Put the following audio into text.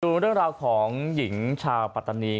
ดูเรื่องราวของหญิงชาวปัตตานี